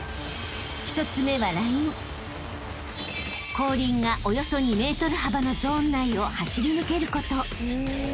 ［後輪がおよそ２ｍ幅のゾーン内を走り抜けること］